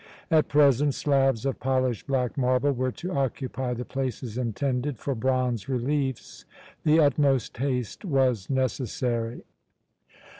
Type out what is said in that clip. At present slabs of polished black marble were to occupy the places intended for bronze reliefs; the utmost haste was necessary.